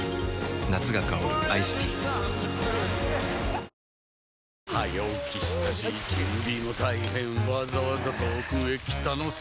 夏が香るアイスティー早起きしたし準備も大変わざわざ遠くへ来たのさ